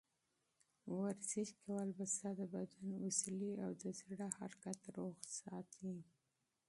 ورزش کول به ستا د بدن عضلې او د زړه حرکت روغ وساتي.